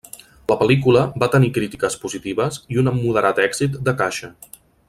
La pel·lícula va tenir crítiques positives i un modera èxit de caixa.